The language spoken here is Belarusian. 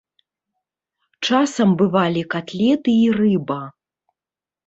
Часам бывалі катлеты і рыба.